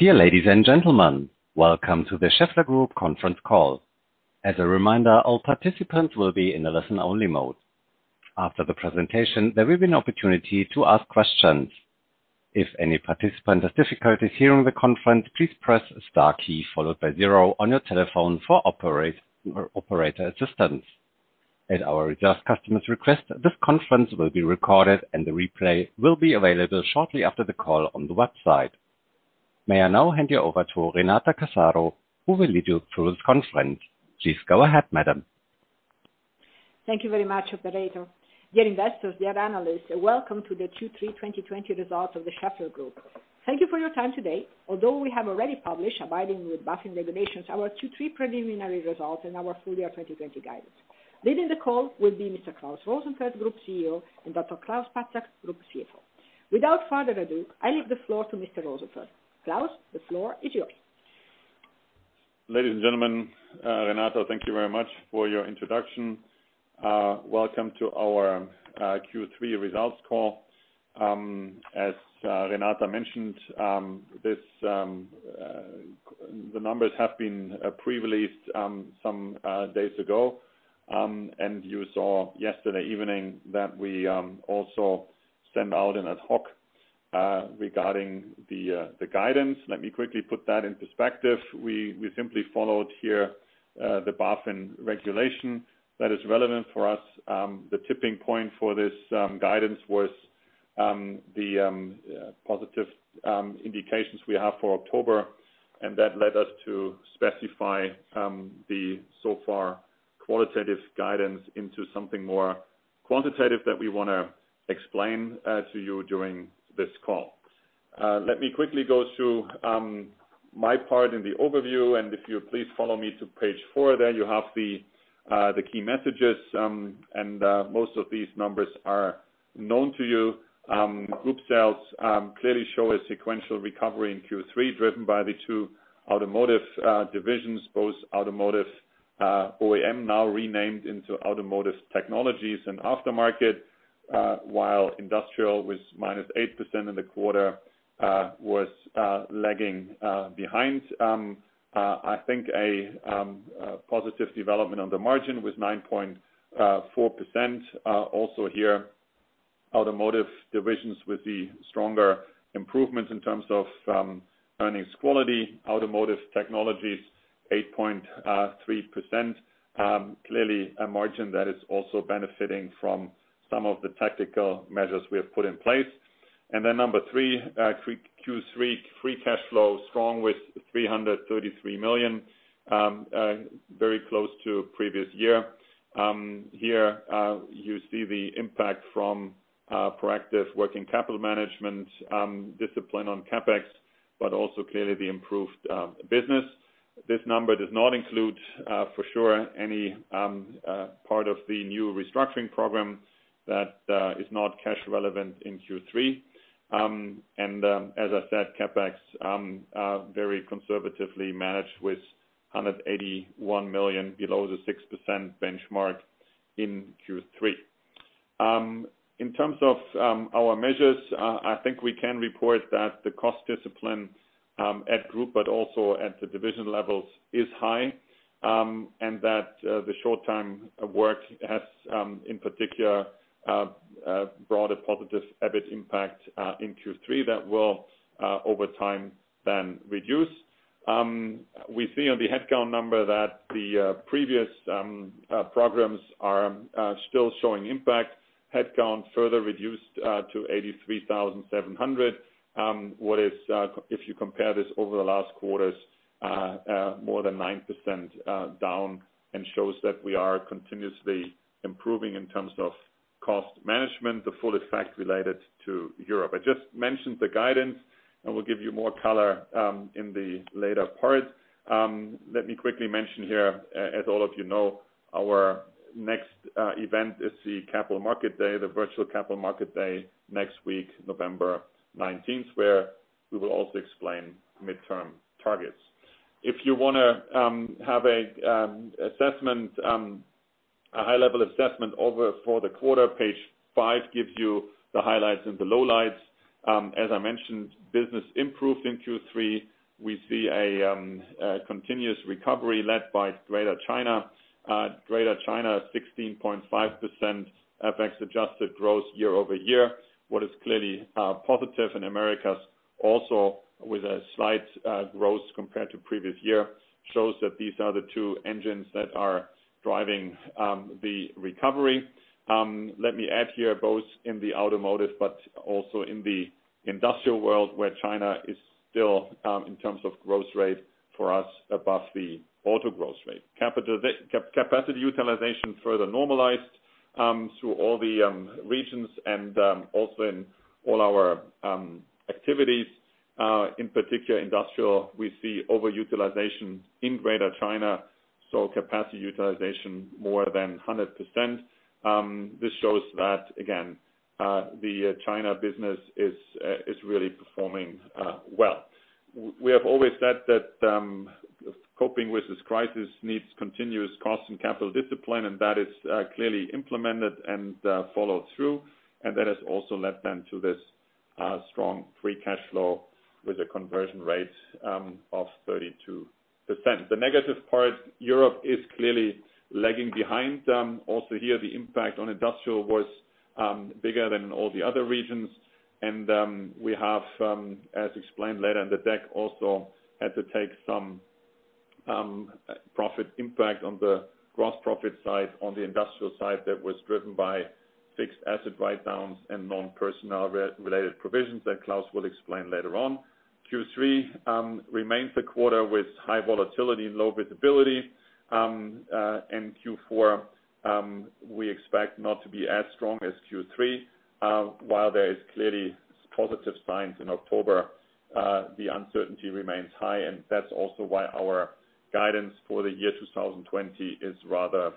Dear ladies and gentlemen, welcome to the Schaeffler Group conference call. As a reminder, all participants will be in a listen-only mode. After the presentation, there will be an opportunity to ask questions. If any participant has difficulties hearing the conference, please press star key followed by zero on your telephone for operator assistance. At our customers' request, this conference will be recorded, and the replay will be available shortly after the call on the website. May I now hand you over to Renata Casaro, who will lead you through this conference. Please go ahead, madam. Thank you very much, operator. Dear investors, dear analysts, welcome to the Q3 2020 results of the Schaeffler Group. Thank you for your time today, although we have already published, abiding with ad hoc regulations, our Q3 preliminary results and our full year 2020 guidance. Leading the call will be Mr. Klaus Rosenfeld, Group CEO, and Dr. Klaus Patzak, Group CFO. Without further ado, I leave the floor to Mr. Rosenfeld. Klaus, the floor is yours. Ladies and gentlemen, Renata, thank you very much for your introduction. Welcome to our Q3 results call. As Renata mentioned, the numbers have been pre-released some days ago. You saw yesterday evening that we also sent out an ad hoc regarding the guidance. Let me quickly put that in perspective. We simply followed here the inaudible regulation that is relevant for us. The tipping point for this guidance was the positive indications we have for October, and that led us to specify the so far qualitative guidance into something more quantitative that we want to explain to you during this call. Let me quickly go through my part in the overview, and if you please follow me to page four, there you have the key messages, and most of these numbers are known to you. Group sales clearly show a sequential recovery in Q3, driven by the two Automotive divisions, both Automotive OEM, now renamed into Automotive Technologies and Aftermarket, while Industrial was -8% in the quarter, was lagging behind. I think a positive development on the margin was 9.4%. Also here, Automotive divisions with the stronger improvements in terms of earnings quality, Automotive Technologies, 8.3%. Clearly, a margin that is also benefiting from some of the tactical measures we have put in place. Number three, Q3 free cash flow, strong with 333 million, very close to previous year. Here, you see the impact from proactive working capital management discipline on CapEx, clearly the improved business. This number does not include, for sure, any part of the new restructuring program that is not cash relevant in Q3. As I said, CapEx, very conservatively managed with 181 million below the 6% benchmark in Q3. In terms of our measures, I think we can report that the cost discipline at group, but also at the division levels, is high, and that the short-time work has, in particular, brought a positive EBIT impact in Q3 that will, over time, then reduce. We see on the headcount number that the previous programs are still showing impact. Headcount further reduced to 83,700. If you compare this over the last quarters, more than 9% down and shows that we are continuously improving in terms of cost management, the full effect related to Europe. I just mentioned the guidance, and we'll give you more color in the later part. Let me quickly mention here, as all of you know, our next event is the Virtual Capital Markets Day next week, November 19th, where we will also explain midterm targets. If you want to have a high-level assessment over for the quarter, page five gives you the highlights and the lowlights. As I mentioned, business improved in Q3. We see a continuous recovery led by Greater China. Greater China, 16.5% FX-adjusted growth year-over-year. What is clearly positive in America, also with a slight growth compared to previous year, shows that these are the two engines that are driving the recovery. Let me add here, both in the automotive but also in the industrial world, where China is still, in terms of growth rate for us, above the auto growth rate. Capacity utilization further normalized through all the regions and also in all our activities. In particular, industrial, we see over-utilization in Greater China, capacity utilization more than 100%. This shows that, again, the China business is really performing well. Coping with this crisis needs continuous cost and capital discipline. That is clearly implemented and followed through. That has also led them to this strong free cash flow with a conversion rate of 32%. The negative part, Europe is clearly lagging behind. Here, the impact on industrial was bigger than all the other regions. We have, as explained later in the deck, also had to take some profit impact on the gross profit side, on the industrial side that was driven by fixed asset write-downs and non-personnel related provisions that Klaus will explain later on. Q3 remains the quarter with high volatility and low visibility. In Q4, we expect not to be as strong as Q3. While there is clearly positive signs in October, the uncertainty remains high, and that's also why our guidance for the year 2020 is rather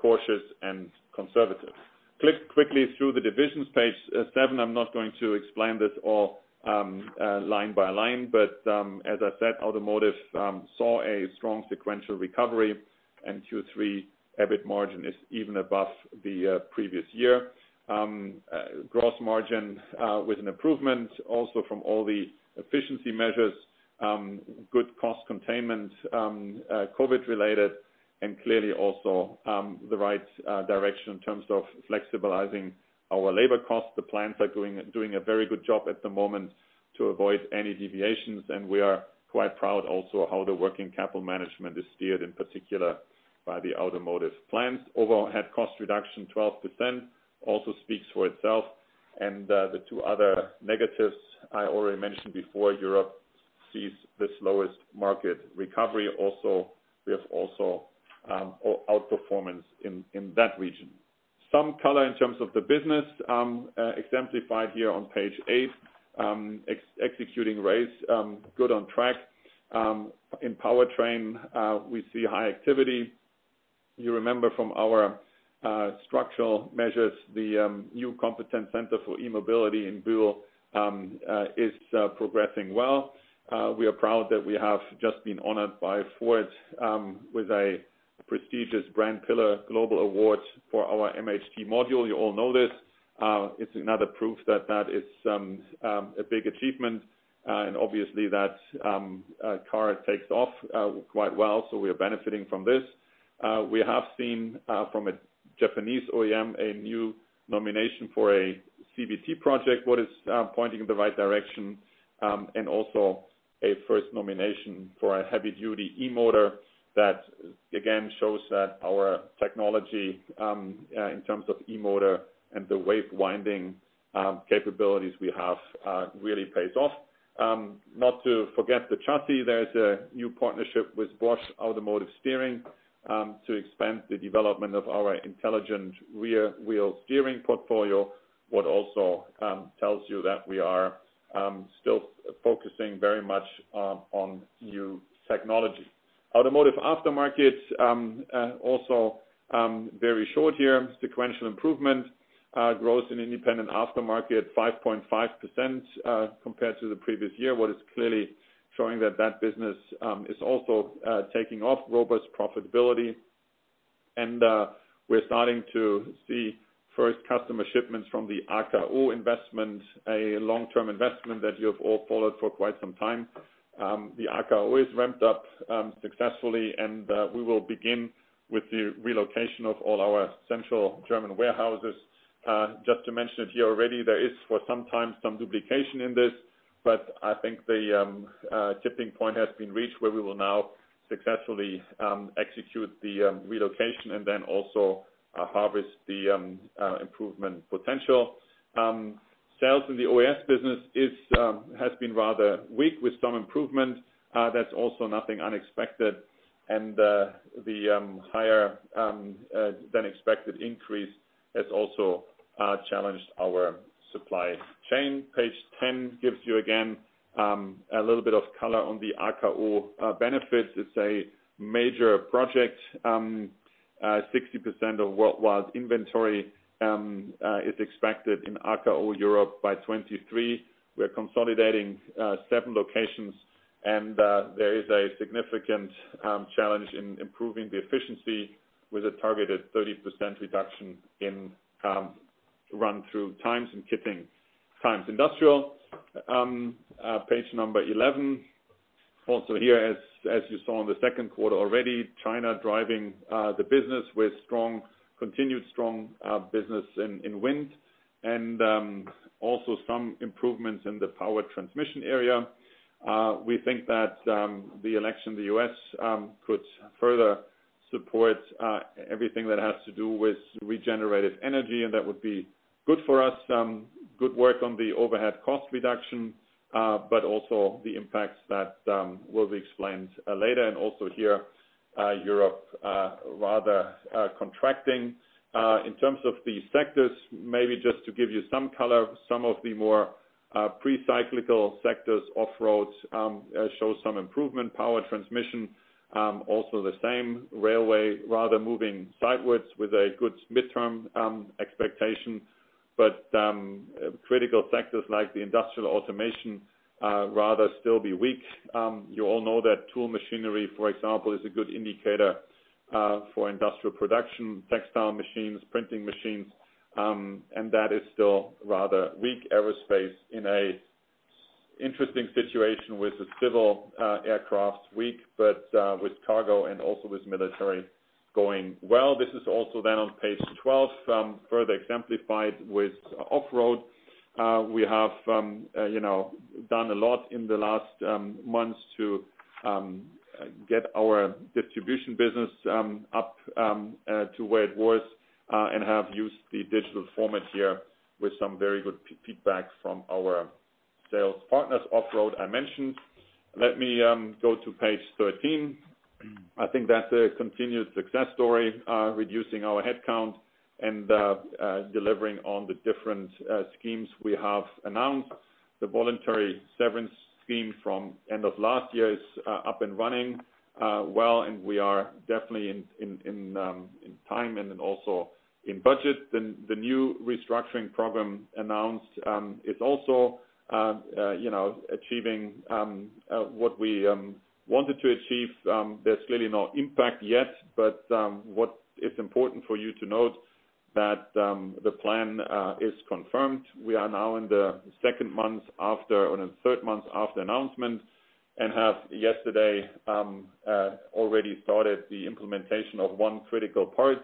cautious and conservative. Click quickly through the divisions, page seven. I'm not going to explain this all line by line, but as I said, Automotive saw a strong sequential recovery in Q3. EBIT margin is even above the previous year. Gross margin with an improvement also from all the efficiency measures, good cost containment, COVID-related, and clearly also the right direction in terms of flexibilizing our labor costs. The plants are doing a very good job at the moment to avoid any deviations, and we are quite proud also how the working capital management is steered, in particular by the Automotive plants. Overhead cost reduction 12% also speaks for itself. The two other negatives I already mentioned before, Europe sees the slowest market recovery also. We have also outperformance in that region. Some color in terms of the business exemplified here on page eight, executing RACE good on track. In powertrain, we see high activity. You remember from our structural measures, the new competence center for e-mobility in Bühl is progressing well. We are proud that we have just been honored by Ford with a prestigious Brand Pillar Global Award for our MHT module. You all know this. It's another proof that that is a big achievement. Obviously, that car takes off quite well, so we are benefiting from this. We have seen from a Japanese OEM a new nomination for a CVT project, what is pointing in the right direction, and also a first nomination for a heavy-duty e-motor. That again shows that our technology, in terms of e-motor and the wave winding capabilities we have, really pays off. Not to forget the chassis, there's a new partnership with Bosch Automotive Steering to expand the development of our intelligent rear wheel steering portfolio. What also tells you that we are still focusing very much on new technology. Automotive Aftermarket also very short here. Sequential improvement, growth in independent aftermarket 5.5% compared to the previous year, what is clearly showing that business is also taking off robust profitability. We're starting to see first customer shipments from the AKO investment, a long-term investment that you have all followed for quite some time. The AKO is ramped up successfully, we will begin with the relocation of all our central German warehouses. Just to mention it here already, there is for some time some duplication in this, but I think the tipping point has been reached where we will now successfully execute the relocation and then also harvest the improvement potential. Sales in the OES business has been rather weak with some improvement. That's also nothing unexpected, the higher than expected increase has also challenged our supply chain. Page 10 gives you again, a little bit of color on the AKO benefits. It's a major project. 60% of worldwide inventory is expected in AKO Europe by 2023. We're consolidating seven locations, there is a significant challenge in improving the efficiency with a targeted 30% reduction in run-through times and shipping times. Industrial, page number 11. Here, as you saw in the second quarter already, China driving the business with continued strong business in wind and also some improvements in the power transmission area. We think that the election in the U.S. could further support everything that has to do with regenerative energy, that would be good for us. Good work on the overhead cost reduction, also the impacts that will be explained later. Also here, Europe rather contracting. In terms of the sectors, maybe just to give you some color, some of the more pre-cyclical sectors off-roads show some improvement. Power transmission also the same. Railway rather moving sideways with a good midterm expectation. Critical sectors like the industrial automation rather still be weak. You all know that tool machinery, for example, is a good indicator for industrial production, textile machines, printing machines, that is still rather weak. Aerospace in a interesting situation with the civil aircraft's weak, but with cargo and also with military going well. This is also then on page 12, further exemplified with off-road. We have done a lot in the last months to get our distribution business up to where it was and have used the digital format here with some very good feedback from our sales partners. Off-road, I mentioned. Let me go to page 13. I think that's a continued success story, reducing our headcount and delivering on the different schemes we have announced. The voluntary severance scheme from end of last year is up and running well, and we are definitely in time and then also in budget. The new restructuring program announced, it's also achieving what we wanted to achieve. There's clearly no impact yet, but what is important for you to note that the plan is confirmed. We are now in the third month after announcement and have yesterday already started the implementation of one critical part.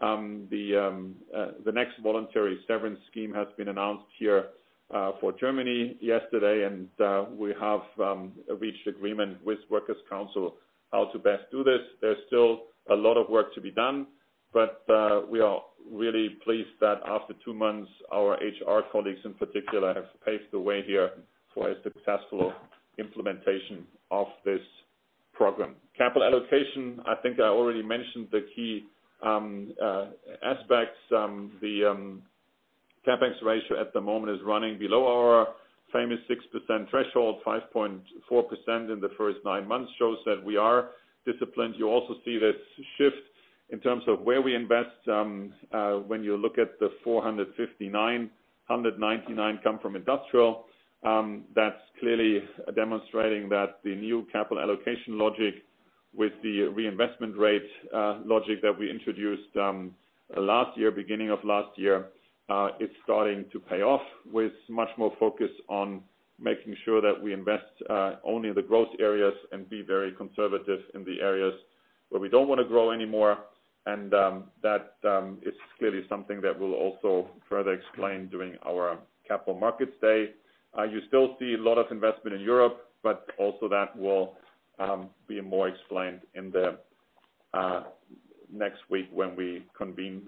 The next voluntary severance scheme has been announced here for Germany yesterday. We have reached agreement with Workers' Council how to best do this. There's still a lot of work to be done. We are really pleased that after two months, our HR colleagues in particular, have paved the way here for a successful implementation of this program. Capital allocation, I think I already mentioned the key aspects. The CapEx ratio at the moment is running below our famous 6% threshold, 5.4% in the first nine months shows that we are disciplined. You also see this shift in terms of where we invest. When you look at the 459, 199 come from industrial. That's clearly demonstrating that the new capital allocation logic with the reinvestment rate logic that we introduced beginning of last year, is starting to pay off with much more focus on making sure that we invest only in the growth areas and be very conservative in the areas where we don't want to grow anymore. That is clearly something that we'll also further explain during our Capital Markets Day. You still see a lot of investment in Europe, but also that will be more explained in the next week when we convene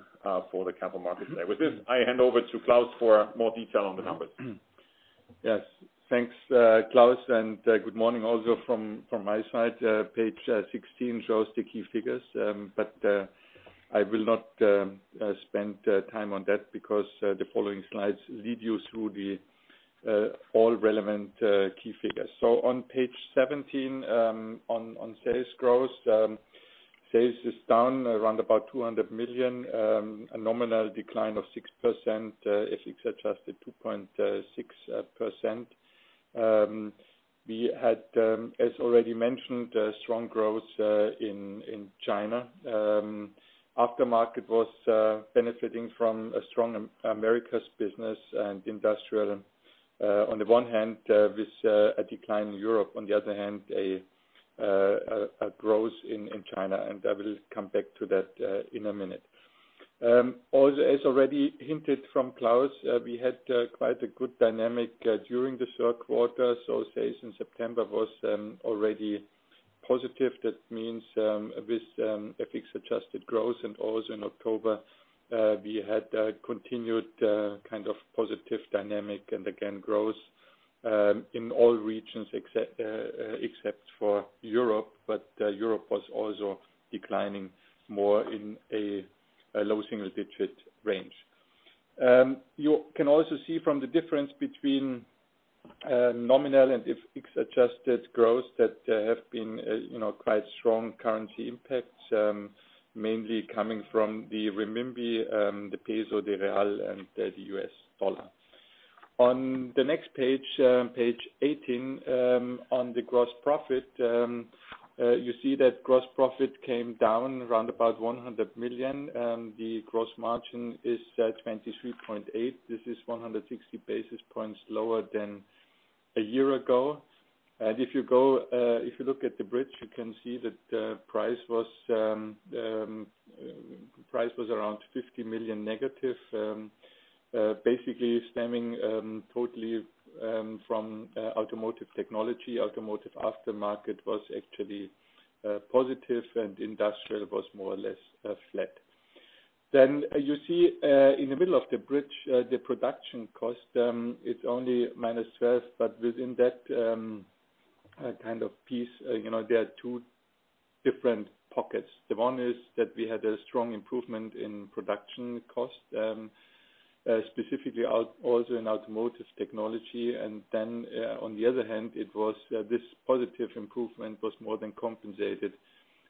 for the Capital Markets Day. With this, I hand over to Klaus for more detail on the numbers. Yes. Thanks, Klaus, and good morning also from my side. Page 16 shows the key figures, but I will not spend time on that because the following slides lead you through the all relevant key figures. On page 17, on sales growth. Sales is down around about 200 million, a nominal decline of 6%, FX adjusted 2.6%. We had, as already mentioned, a strong growth in China. Aftermarket was benefiting from a strong Americas business and industrial, on the one hand, with a decline in Europe, on the other hand, a growth in China, and I will come back to that in a minute. Also, as already hinted from Klaus, we had quite a good dynamic during the third quarter. Sales in September was already positive. That means with FX adjusted growth and also in October, we had a continued kind of positive dynamic and again growth in all regions except for Europe, but Europe was also declining more in a low single digit range. You can also see from the difference between nominal and FX adjusted growth that there have been quite strong currency impacts, mainly coming from the renminbi, the peso, the real, and the U.S. dollar. On the next page 18, on the gross profit. You see that gross profit came down around 100 million. The gross margin is 23.8%. This is 160 basis points lower than a year ago. If you look at the bridge, you can see that the price was around 50 million negative, basically stemming totally from Automotive Technologies. Automotive Aftermarket was actually positive. Industrial was more or less flat. You see in the middle of the bridge, the production cost, it is only -12, but within that kind of piece, there are two different pockets. The one is that we had a strong improvement in production cost, specifically also in Automotive Technologies. On the other hand, this positive improvement was more than compensated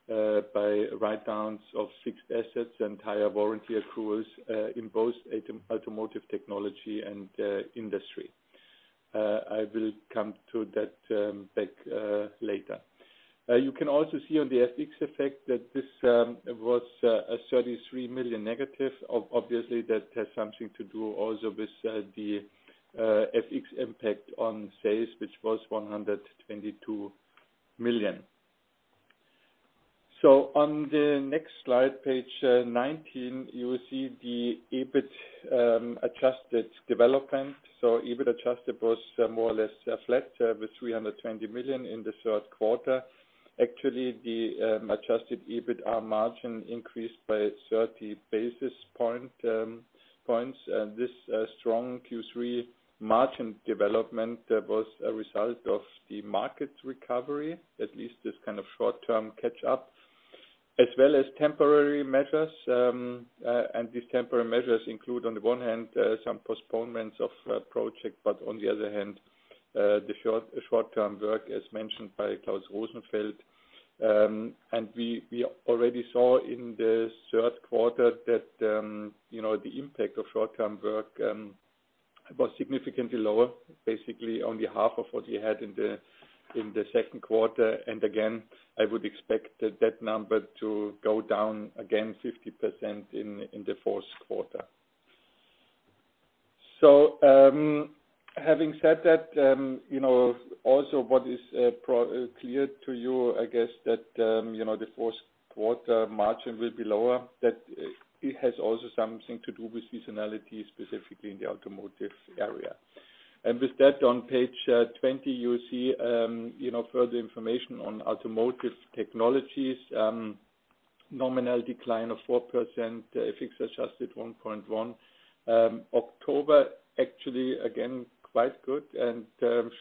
by write-downs of fixed assets and higher warranty accruals in both Automotive Technologies and Industry. I will come to that back later. You can also see on the FX effect that this was a 33 million negative. Obviously, that has something to do also with the FX impact on sales, which was 122 million. On the next slide, page 19, you will see the EBIT adjusted development. EBIT adjusted was more or less flat with 320 million in the third quarter. Actually, the adjusted EBIT, our margin increased by 30 basis points. This strong Q3 margin development was a result of the market recovery, at least this kind of short-term catch-up, as well as temporary measures. These temporary measures include, on the one hand, some postponements of project, but on the other hand, the short-term work, as mentioned by Klaus Rosenfeld. We already saw in the third quarter that the impact of short-term work was significantly lower, basically only half of what we had in the second quarter. Again, I would expect that number to go down again 50% in the fourth quarter. Having said that, also what is clear to you, I guess that the fourth quarter margin will be lower, that it has also something to do with seasonality, specifically in the automotive area. With that, on page 20, you'll see further information on Automotive Technologies, nominal decline of 4%, FX adjusted 1.1%. October actually again quite good and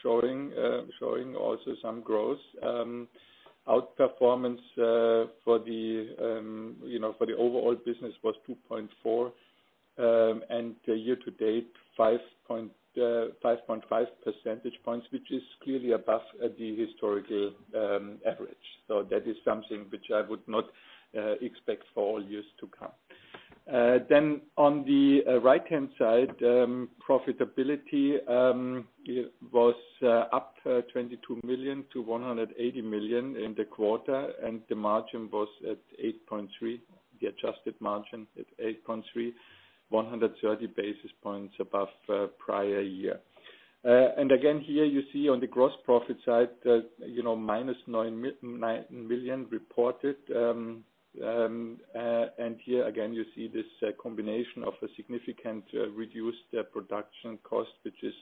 showing also some growth. Outperformance for the overall business was 2.4%, and year-to-date, 5.5 percentage points, which is clearly above the historical average. That is something which I would not expect for all years to come. On the right-hand side, profitability was up 22 million-180 million in the quarter, and the margin was at 8.3%, the adjusted margin at 8.3%, 130 basis points above prior year. Again, here you see on the gross profit side, -9 million reported. Here again, you see this combination of a significant reduced production cost, which is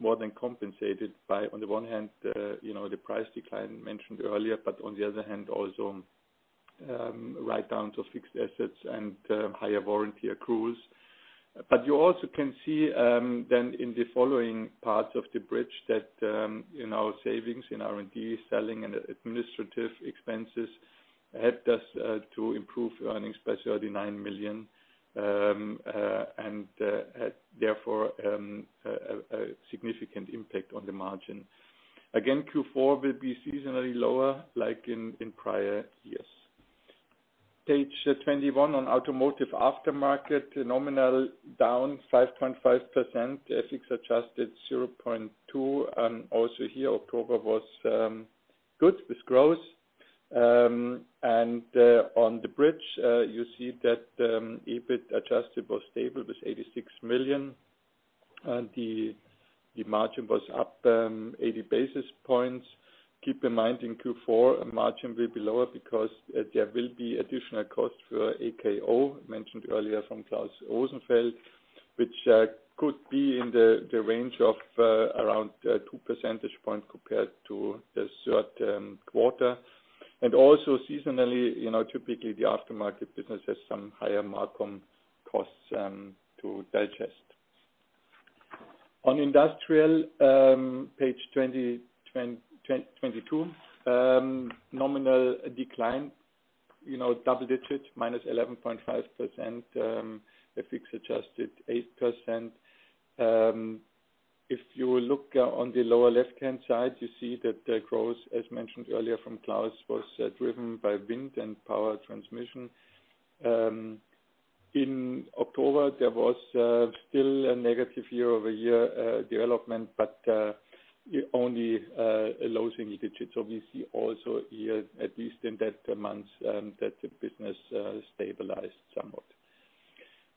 more than compensated by, on the one hand, the price decline mentioned earlier, but on the other hand, also write-down to fixed assets and higher warranty accruals. You also can see then in the following parts of the bridge that in our savings, in R&D, selling and administrative expenses helped us to improve earnings by 39 million, and had therefore a significant impact on the margin. Again, Q4 will be seasonally lower like in prior years. Page 21 on Automotive Aftermarket, nominal down 5.5%, FX adjusted 0.2%, also here, October was good with growth. On the bridge, you see that EBIT adjusted was stable with 86 million, and the margin was up 80 basis points. Keep in mind, in Q4, margin will be lower because there will be additional costs for AKO, mentioned earlier from Klaus Rosenfeld, which could be in the range of around two percentage points compared to the third quarter. Also seasonally, typically the aftermarket business has some higher mark-on costs to digest. On industrial, page 22, nominal decline, double digit, -11.5%, FX adjusted 8%. If you look on the lower left-hand side, you see that the growth, as mentioned earlier from Klaus, was driven by wind and power transmission. In October, there was still a negative year-over-year development, but only a low single digits, obviously also here, at least in that month, that the business stabilized somewhat.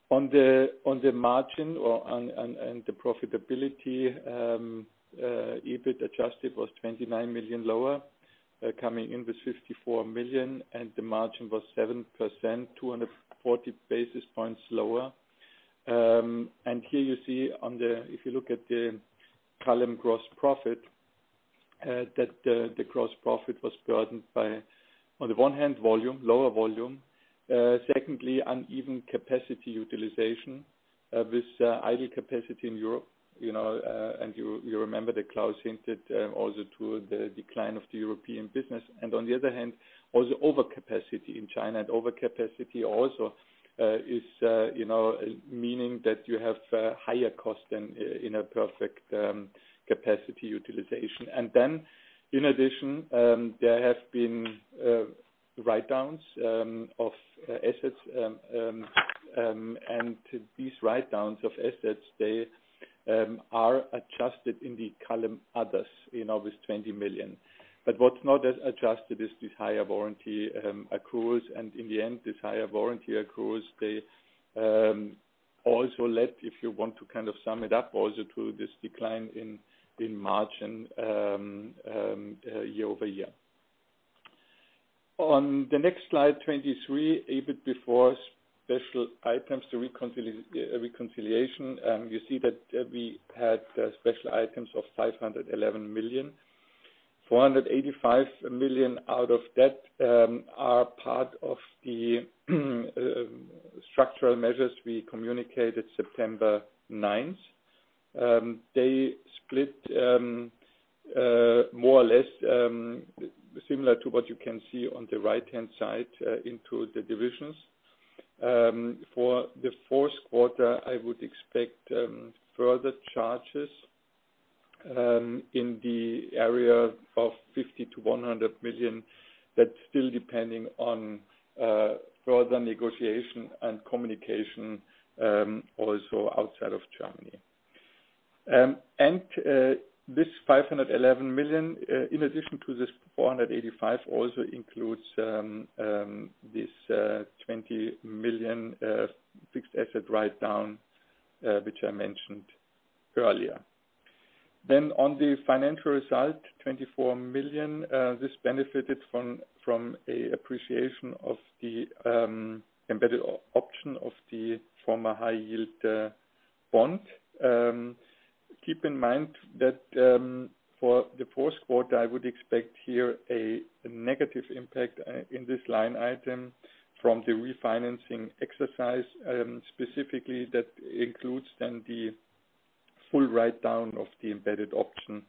On the margin and the profitability, EBIT adjusted was 29 million lower, coming in with 54 million, and the margin was 7%, 240 basis points lower. Here you see, if you look at the column gross profit, that the gross profit was burdened by, on the one hand, volume, lower volume. Secondly, uneven capacity utilization with idle capacity in Europe. You remember that Klaus hinted also to the decline of the European business, and on the other hand, also overcapacity in China. Overcapacity also is meaning that you have higher cost than in a perfect capacity utilization. In addition, there have been write-downs of assets, and these write-downs of assets, they are adjusted in the column others in 20 million. What's not as adjusted is this higher warranty accruals, and in the end, this higher warranty accruals, they also led, if you want to kind of sum it up, also to this decline in margin year-over-year. On the next slide 23, EBIT before special items to reconciliation, you see that we had special items of 511 million. 485 million out of that are part of the structural measures we communicated September 9th. They split more or less similar to what you can see on the right-hand side into the divisions. For the fourth quarter, I would expect further charges in the area of 50 million-100 million. That's still depending on further negotiation and communication also outside of Germany. This 511 million, in addition to this 485 million, also includes this 20 million fixed asset write-down, which I mentioned earlier. On the financial result, 24 million, this benefited from a appreciation of the embedded option of the former high-yield bond. Keep in mind that for the fourth quarter, I would expect here a negative impact in this line item from the refinancing exercise, specifically that includes then the full write-down of the embedded option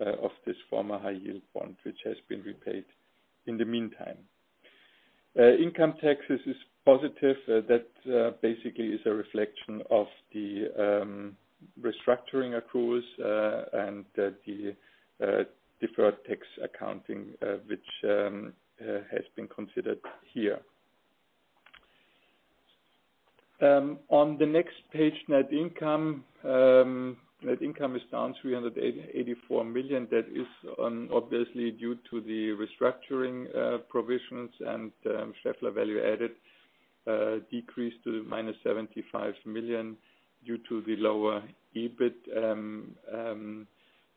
of this former high-yield bond, which has been repaid in the meantime. Income taxes is positive. That basically is a reflection of the restructuring accruals and the deferred tax accounting, which has been considered here. On the next page, net income. Net income is down 384 million. That is obviously due to the restructuring provisions and Schaeffler Value Added decrease to -75 million due to the lower EBIT.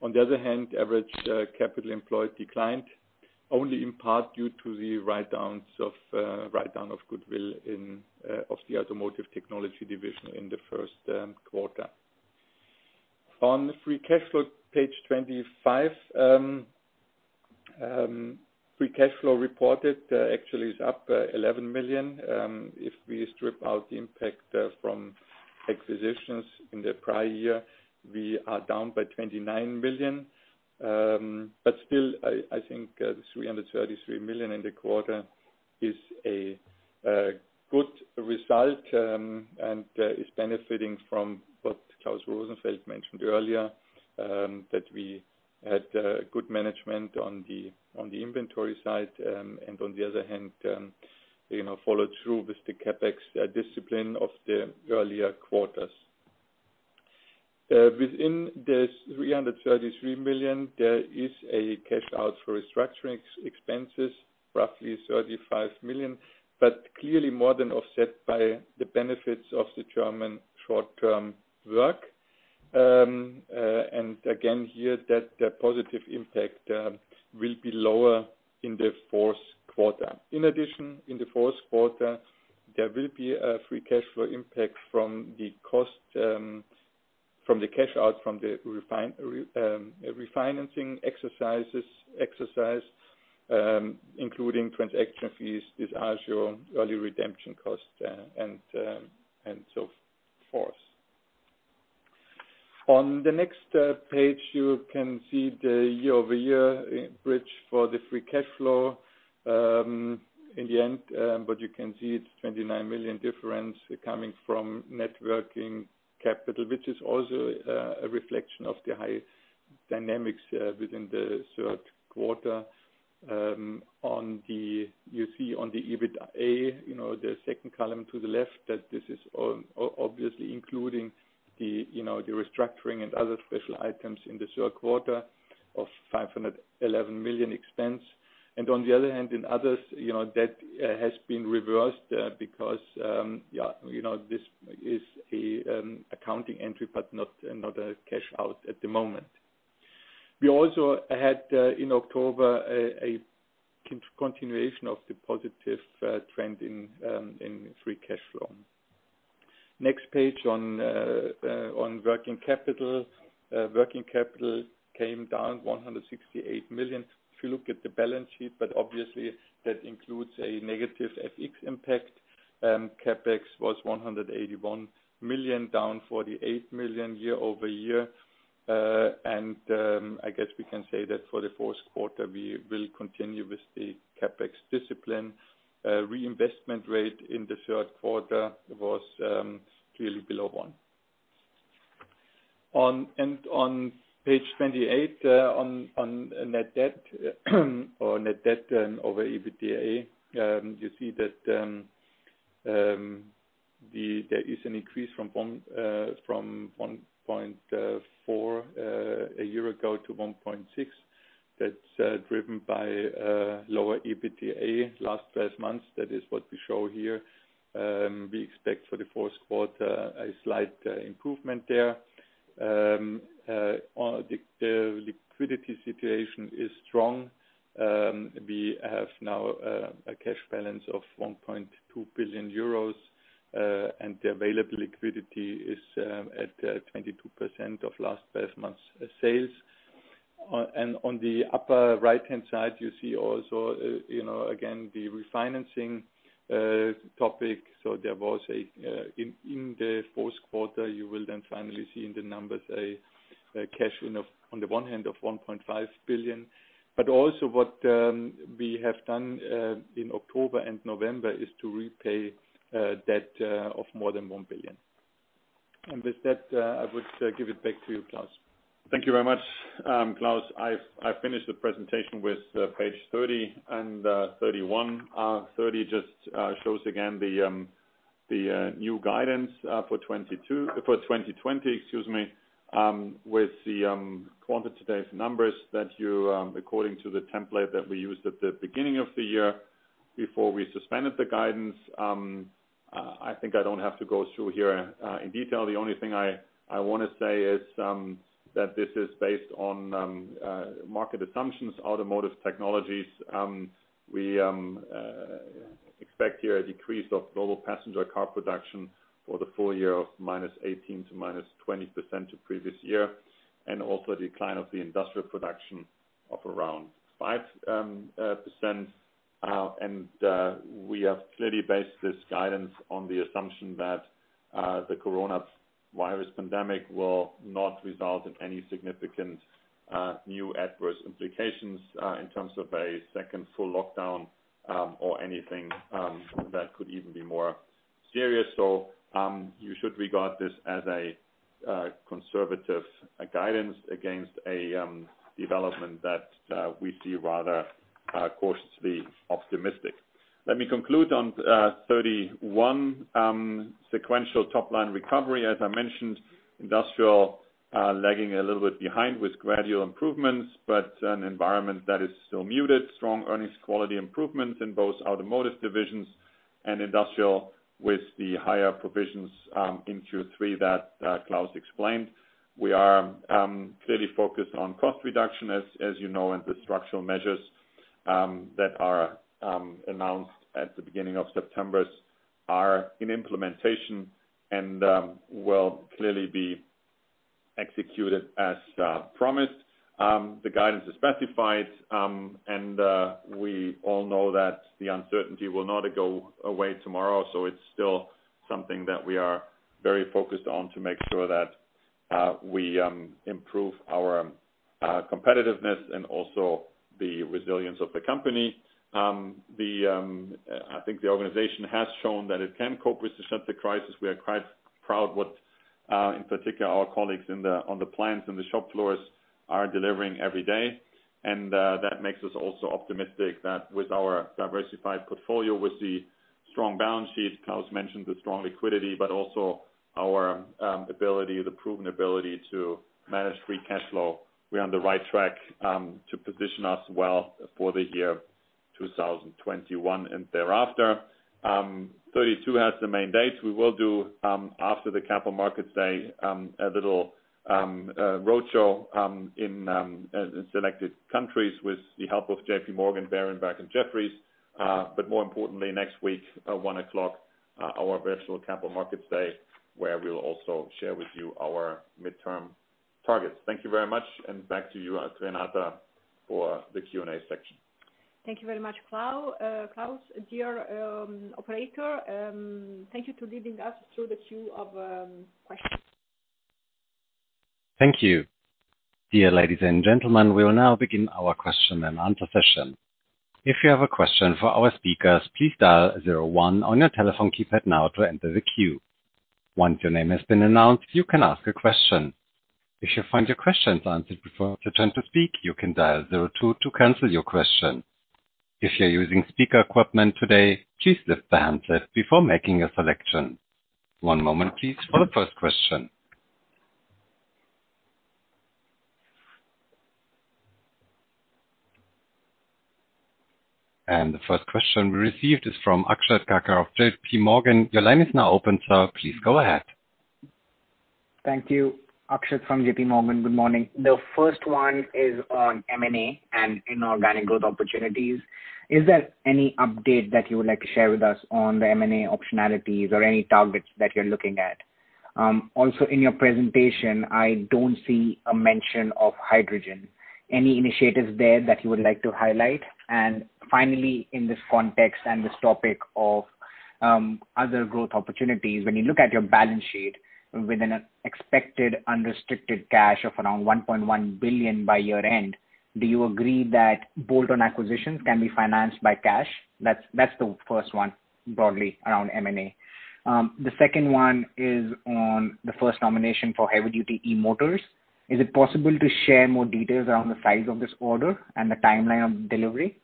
On the other hand, average capital employed declined only in part due to the write-down of goodwill of the Automotive Technologies division in the first quarter. On the free cash flow, page 25. Free cash flow reported actually is up 11 million. If we strip out the impact from acquisitions in the prior year, we are down by 29 million. Still, I think 333 million in the quarter is a good result, and is benefiting from what Klaus Rosenfeld mentioned earlier, that we had good management on the inventory side, and on the other hand, followed through with the CapEx discipline of the earlier quarters. Within this 333 million, there is a cash out for restructuring expenses, roughly 35 million, but clearly more than offset by the benefits of the German short-time work. Again, here, that positive impact will be lower in the fourth quarter. In addition, in the fourth quarter, there will be a free cash flow impact from the cost, from the cash out from the refinancing exercise, including transaction fees, this early redemption cost, and so forth. On the next page, you can see the year-over-year bridge for the free cash flow in the end. You can see it is 29 million difference coming from working capital, which is also a reflection of the high dynamics within the third quarter. You see on the EBITDA, the second column to the left, that this is obviously including the restructuring and other special items in the third quarter of 511 million expense. On the other hand, in others, that has been reversed because this is an accounting entry but not a cash-out at the moment. We also had, in October, a continuation of the positive trend in free cash flow. Next page on working capital. Working capital came down 168 million. If you look at the balance sheet, obviously that includes a negative FX impact. CapEx was 181 million, down 48 million year-over-year. I guess we can say that for the fourth quarter, we will continue with the CapEx discipline. Reinvestment rate in the third quarter was clearly below one. On page 28, on net debt or net debt to EBITDA, you see that there is an increase from 1.4 a year ago to 1.6. That's driven by lower EBITDA last 12 months. That is what we show here. We expect for the fourth quarter a slight improvement there. The liquidity situation is strong. We have now a cash balance of 1.2 billion euros, and the available liquidity is at 22% of last 12 months sales. On the upper right-hand side, you see also again, the refinancing topic. There was, in the fourth quarter, you will then finally see in the numbers a cash on the one hand of 1.5 billion, but also what we have done in October and November is to repay debt of more than 1 billion. With that, I would give it back to you, Klaus. Thank you very much. Klaus, I've finished the presentation with page 30 and 31. 30 just shows again the new guidance for 2020, excuse me, with the quantitative numbers that you, according to the template that we used at the beginning of the year before we suspended the guidance. I think I don't have to go through here in detail. The only thing I want to say is that this is based on market assumptions, Automotive Technologies. We expect here a decrease of global passenger car production for the full year of -18% to -20% to previous year, also a decline of the industrial production of around 5%. We have clearly based this guidance on the assumption that the coronavirus pandemic will not result in any significant new adverse implications in terms of a second full lockdown or anything that could even be more serious. You should regard this as a conservative guidance against a development that we see rather cautiously optimistic. Let me conclude on 31, sequential top-line recovery. As I mentioned, Industrial lagging a little bit behind with gradual improvements, but an environment that is still muted, strong earnings quality improvements in both automotive divisions and Industrial with the higher provisions in Q3 that Klaus explained. We are clearly focused on cost reduction, as you know, and the structural measures that are announced at the beginning of September are in implementation and will clearly be executed as promised. The guidance is specified, we all know that the uncertainty will not go away tomorrow, it's still something that we are very focused on to make sure that we improve our competitiveness and also the resilience of the company. I think the organization has shown that it can cope with the crisis. We are quite proud what, in particular, our colleagues on the plants and the shop floors are delivering every day. That makes us also optimistic that with our diversified portfolio, with the strong balance sheet, Klaus mentioned the strong liquidity, but also our ability, the proven ability to manage free cash flow. We are on the right track to position us well for the year 2021 and thereafter. 32 has the main dates. We will do, after the Capital Markets Day, a little roadshow in selected countries with the help of JPMorgan, Berenberg, and Jefferies. More importantly, next week at 1:00, our virtual Capital Markets Day, where we will also share with you our midterm targets. Thank you very much. Back to you, Renata, for the Q&A section. Thank you very much, Klaus. Dear operator, thank you to leading us through the queue of questions. Thank you. Dear ladies and gentlemen, we will now begin our question and answer session. If you have a question, please dial zero one on your telephone keypad now to enter the queue. Once your name has been announced, you can ask a question. If you find your question unanswered before it's your turn to speak, you can dial zero two to cancel your question. If you're using speaker equipment today, please lift the handset before making a selection. The first question we received is from Akshat Kacker of JPMorgan. Your line is now open, sir. Please go ahead. Thank you. Akshat from JP.Morgan. Good morning. The first one is on M&A and inorganic growth opportunities. Is there any update that you would like to share with us on the M&A optionalities or any targets that you're looking at? Also, in your presentation, I don't see a mention of hydrogen. Any initiatives there that you would like to highlight? And finally, in this context and this topic of other growth opportunities, when you look at your balance sheet with an expected unrestricted cash of around 1.1 billion by year-end, do you agree that bolt-on acquisitions can be financed by cash? That's the first one, broadly around M&A. The second one is on the first nomination for heavy duty e-motors. Is it possible to share more details around the size of this order and the timeline of delivery?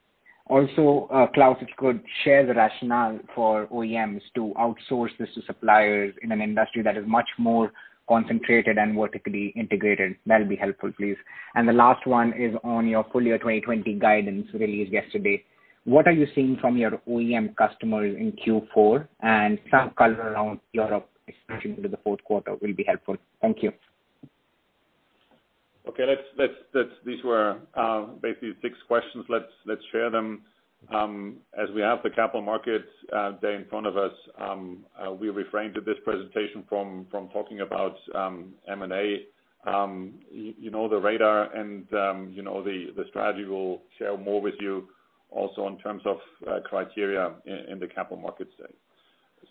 Klaus, if you could share the rationale for OEMs to outsource this to suppliers in an industry that is much more concentrated and vertically integrated, that'll be helpful, please. The last one is on your full-year 2020 guidance released yesterday. What are you seeing from your OEM customers in Q4? Some color around Europe, especially into the fourth quarter, will be helpful. Thank you. Okay. These were basically six questions. Let's share them. As we have the Capital Markets Day in front of us, we refrained in this presentation from talking about M&A. You know the radar and the strategy. We'll share more with you also in terms of criteria in the Capital Markets Day.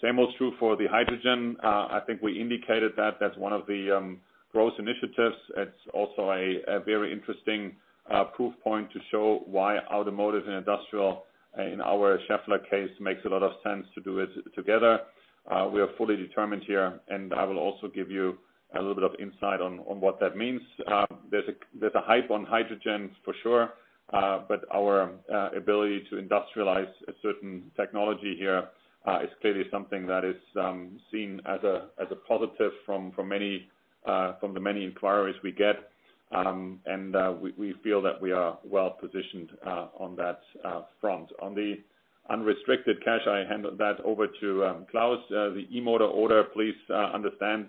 Same was true for the hydrogen. I think we indicated that that's one of the growth initiatives. It's also a very interesting proof point to show why automotive and industrial in our Schaeffler case makes a lot of sense to do it together. We are fully determined here. I will also give you a little bit of insight on what that means. There's a hype on hydrogen for sure. Our ability to industrialize a certain technology here is clearly something that is seen as a positive from the many inquiries we get. We feel that we are well-positioned on that front. On the unrestricted cash, I hand that over to Klaus. The e-motor order, please understand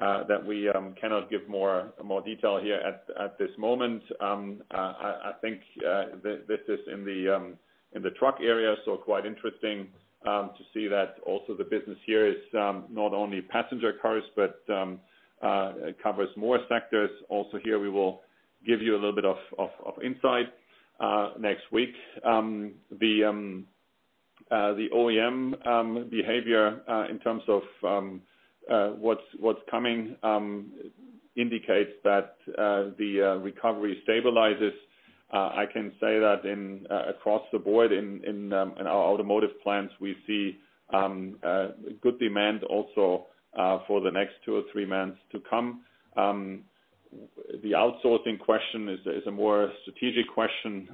that we cannot give more detail here at this moment. I think this is in the truck area, quite interesting to see that also the business here is not only passenger cars, but it covers more sectors. Also here, we will give you a little bit of insight next week. The OEM behavior in terms of what's coming indicates that the recovery stabilizes. I can say that across the board in our automotive plants, we see good demand also for the next two or three months to come. The outsourcing question is a more strategic question.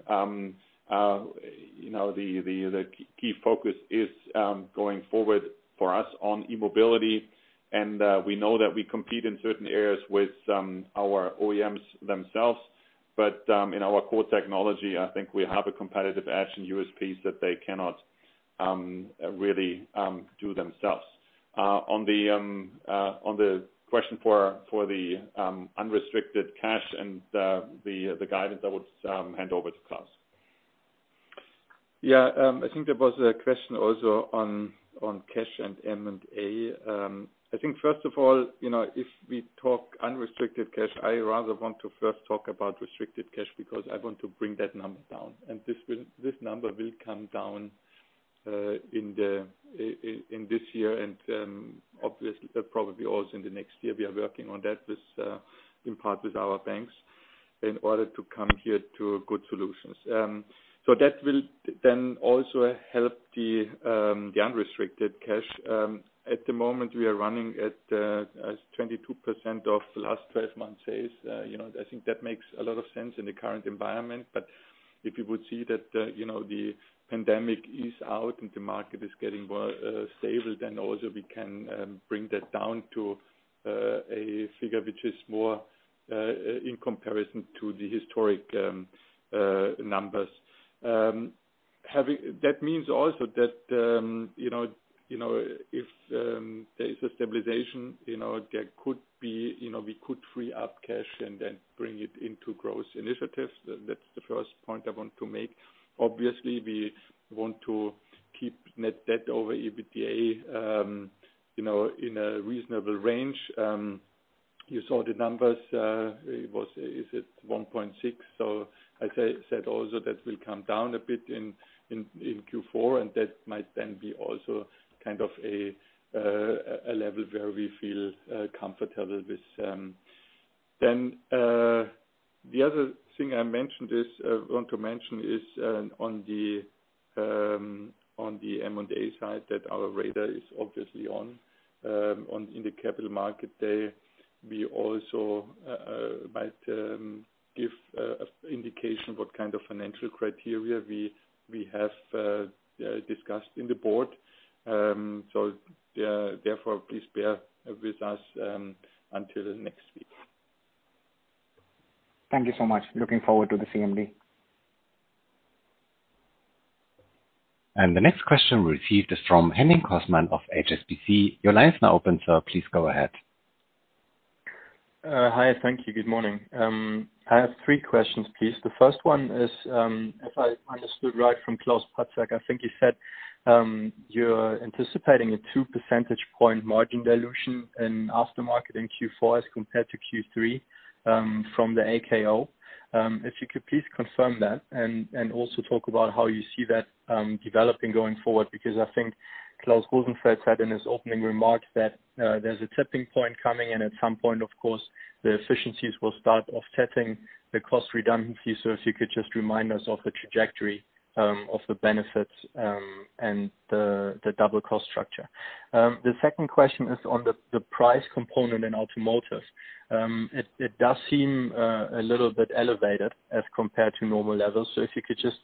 The key focus is going forward for us on e-mobility, and we know that we compete in certain areas with our OEMs themselves. In our core technology, I think we have a competitive edge in USPs that they cannot really do themselves. On the question for the unrestricted cash and the guidance, I would hand over to Klaus. Yeah. I think there was a question also on cash and M&A. I think, first of all, if we talk unrestricted cash, I rather want to first talk about restricted cash because I want to bring that number down. This number will come down in this year and probably also in the next year. We are working on that in part with our banks in order to come here to good solutions. That will then also help the unrestricted cash. At the moment, we are running at 22% of the last 12 months' sales. I think that makes a lot of sense in the current environment, but if you would see that the pandemic is out and the market is getting more stable, then also we can bring that down to a figure which is more in comparison to the historic numbers. That means also that if there is a stabilization, we could free up cash and then bring it into growth initiatives. That's the first point I want to make. Obviously, we want to keep net debt to EBITDA in a reasonable range. You saw the numbers. Is it 1.6? I said also that will come down a bit in Q4, and that might then be also a level where we feel comfortable with. The other thing I want to mention is on the M&A side that our radar is obviously on. In the Capital Markets Day, we also might give an indication what kind of financial criteria we have discussed in the board. Therefore, please bear with us until next week. Thank you so much. Looking forward to the CMD. The next question we received is from Henning Cosman of HSBC. Your line is now open, sir. Please go ahead. Hi. Thank you. Good morning. I have three questions, please. The first one is, if I understood right from Klaus Patzak, I think you said you're anticipating a two percentage point margin dilution in Aftermarket in Q4 as compared to Q3 from the AKO. If you could please confirm that and also talk about how you see that developing going forward, I think Klaus Rosenfeld said in his opening remarks that there's a tipping point coming, and at some point, of course, the efficiencies will start offsetting the cost redundancies. If you could just remind us of the trajectory of the benefits and the double cost structure. The second question is on the price component in automotives. It does seem a little bit elevated as compared to normal levels. If you could just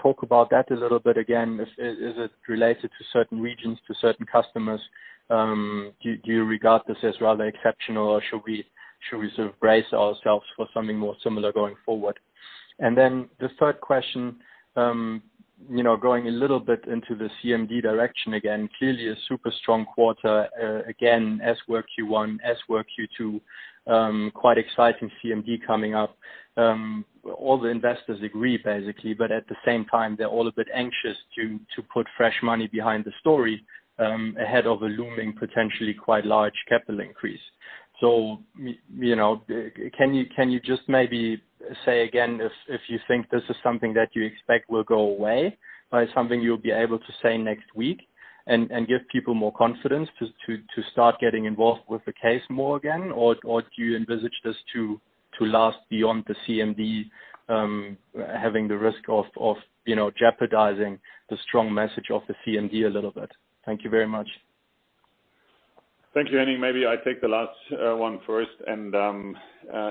talk about that a little bit again. Is it related to certain regions, to certain customers? Do you regard this as rather exceptional or should we sort of brace ourselves for something more similar going forward? The third question, going a little bit into the CMD direction, again, clearly a super strong quarter, again, as were Q1, as were Q2. Quite exciting CMD coming up. All the investors agree, basically, at the same time, they're all a bit anxious to put fresh money behind the story, ahead of a looming, potentially quite large capital increase. Can you just maybe say again if you think this is something that you expect will go away? Something you'll be able to say next week and give people more confidence to start getting involved with the case more again, or do you envisage this to last beyond the CMD, having the risk of jeopardizing the strong message of the CMD a little bit? Thank you very much. Thank you, Henning. Maybe I take the last one first and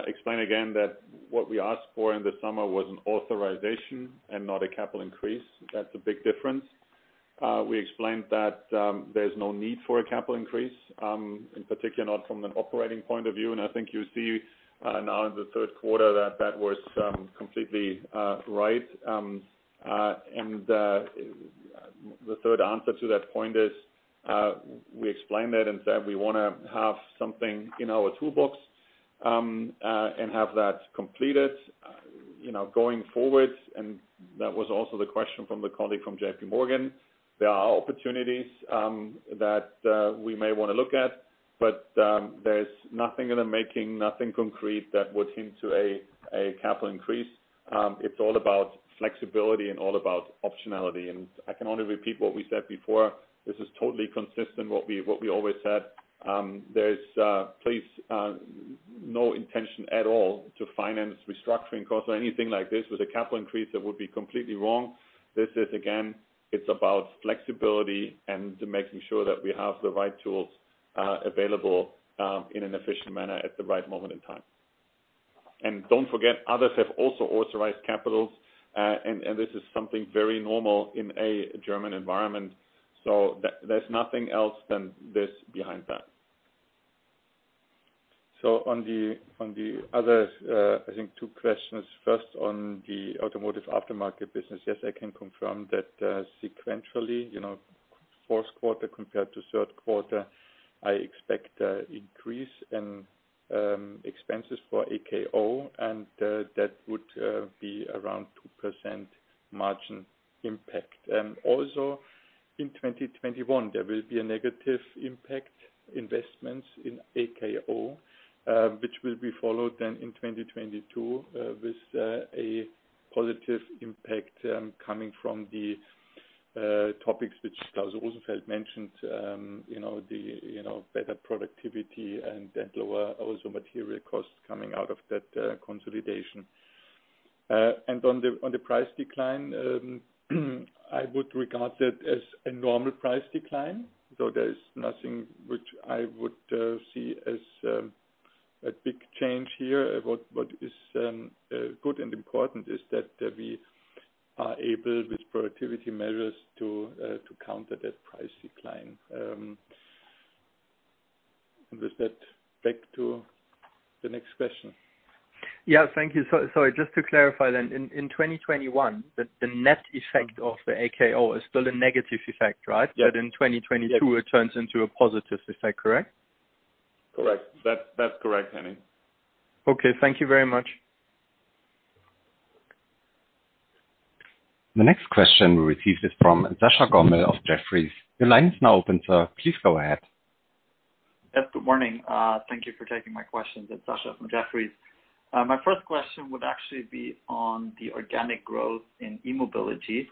explain again that what we asked for in the summer was an authorization and not a capital increase. That's a big difference. We explained that there's no need for a capital increase, in particular, not from an operating point of view, and I think you see now in the third quarter that that was completely right. The third answer to that point is, we explained that and said we want to have something in our toolbox, and have that completed, going forward. That was also the question from the colleague from JPMorgan. There are opportunities that we may want to look at, there's nothing in the making, nothing concrete that would hint to a capital increase. It's all about flexibility and all about optionality. I can only repeat what we said before. This is totally consistent, what we always said. There is, please, no intention at all to finance restructuring costs or anything like this with a capital increase. That would be completely wrong. This is, again, it's about flexibility and making sure that we have the right tools available in an efficient manner at the right moment in time. Don't forget, others have also authorized capitals. This is something very normal in a German environment. There's nothing else than this behind that. On the other, I think two questions. First, on the Automotive Aftermarket business, yes, I can confirm that sequentially, fourth quarter compared to third quarter, I expect increase in expenses for AKO. That would be around 2% margin impact. Also, in 2021, there will be a negative impact investments in AKO, which will be followed then in 2022, with a positive impact coming from the topics which Klaus Rosenfeld mentioned, the better productivity and lower also material costs coming out of that consolidation. On the price decline, I would regard that as a normal price decline. There is nothing which I would see as a big change here. What is good and important is that we are able, with productivity measures, to counter that price decline. With that, back to the next question. Yeah. Thank you. Sorry, just to clarify then, in 2021, the net effect of the AKO is still a negative effect, right? Yeah. In 2022, it turns into a positive effect, correct? Correct. That's correct, Henning. Okay. Thank you very much. The next question we received is from Sascha Gommel of Jefferies. Your line is now open, sir. Please go ahead. Yes, good morning. Thank you for taking my questions. It's Sascha from Jefferies. My first question would actually be on the organic growth in e-mobility.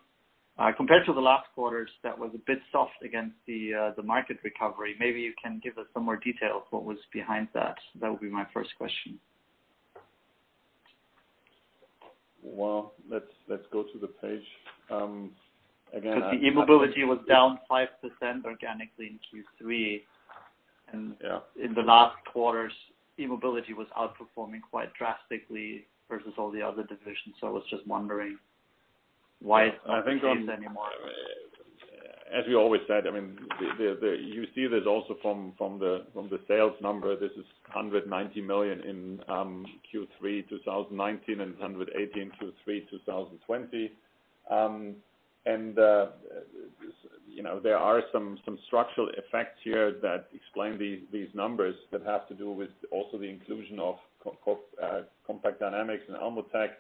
Compared to the last quarters, that was a bit soft against the market recovery. Maybe you can give us some more details what was behind that. That would be my first question. Well, let's go to the page. The e-mobility was down 5% organically in Q3. Yeah. In the last quarters, e-mobility was outperforming quite drastically versus all the other divisions. I was just wondering why it's not the case anymore. As we always said, you see this also from the sales number. This is 190 million in Q3 2019, and 118 million, Q3 2020. There are some structural effects here that explain these numbers that have to do with also the inclusion of Compact Dynamics and Elmotec,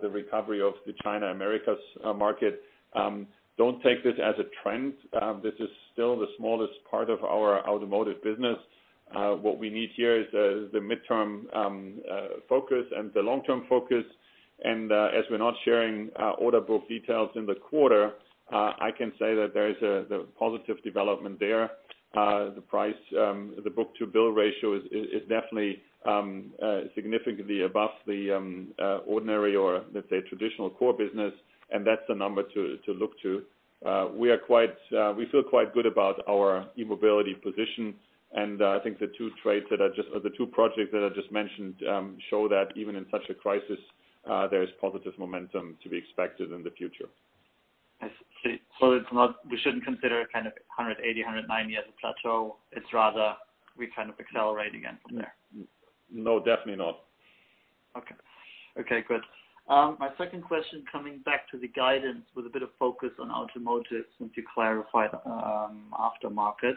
the recovery of the China-Americas market. Don't take this as a trend. This is still the smallest part of our automotive business. What we need here is the midterm focus and the long-term focus. As we're not sharing order book details in the quarter, I can say that there is a positive development there. The book-to-bill ratio is definitely significantly above the ordinary or, let's say, traditional core business, and that's the number to look to. We feel quite good about our e-mobility position, and I think the two projects that I just mentioned show that even in such a crisis, there is positive momentum to be expected in the future. I see. We shouldn't consider 180, 190 as a plateau. It's rather we kind of accelerate again from there. No, definitely not. Okay. Good. My second question, coming back to the guidance with a bit of focus on Automotive, since you clarified Aftermarket.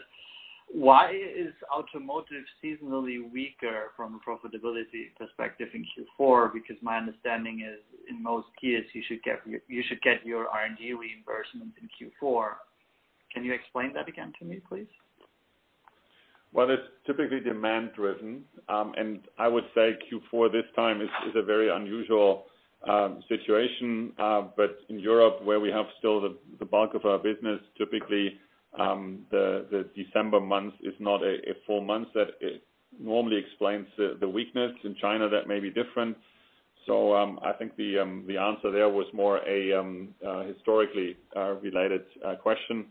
Why is Automotive seasonally weaker from a profitability perspective in Q4? My understanding is in most years, you should get your R&D reimbursement in Q4. Can you explain that again to me, please? Well, it's typically demand-driven. I would say Q4 this time is a very unusual situation. In Europe, where we have still the bulk of our business, typically, the December month is not a full month. That normally explains the weakness. In China, that may be different. I think the answer there was more a historically related question.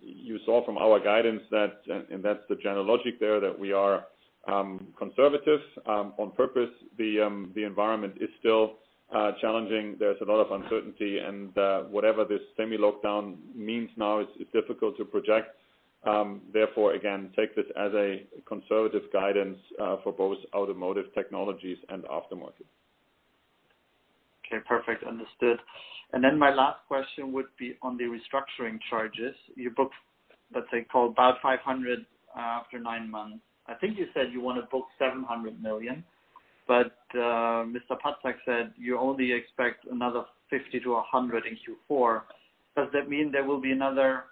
You saw from our guidance that, and that's the general logic there, that we are conservative on purpose. The environment is still challenging. There's a lot of uncertainty and whatever this semi-lockdown means now is difficult to project. Therefore, again, take this as a conservative guidance for both Automotive Technologies and Aftermarket. Okay, perfect. Understood. My last question would be on the restructuring charges. You booked, let's say, about 500 million after nine months. I think you said you want to book 700 million, Mr. Patzak said you only expect another 50 million-100 million in Q4. Does that mean there will be another